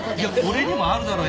俺にもあるだろ。